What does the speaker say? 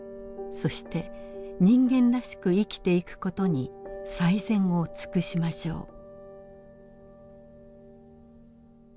そして人間らしく生きていく事に最善を尽くしましょう」。